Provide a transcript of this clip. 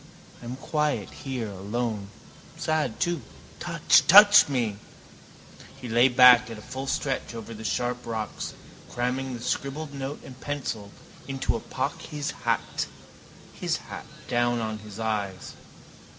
I am quiet here alone. Sad too. Touch, touch me. He lay back at full stretch over the sharp rocks, cramming the scribbled note and pencil into a pocket, his hat tilted down on his eyes.